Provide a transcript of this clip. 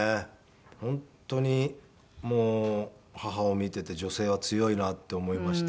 本当にもう母を見てて女性は強いなって思いました。